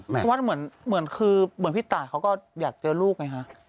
เพราะว่าเหมือนคือเหมือนพี่ตายเขาก็อยากเจอลูกไงฮะ